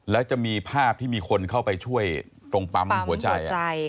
แล้วจะมีภาพที่มีคนเข้าไปช่วยตรงปั๊มหัวใจ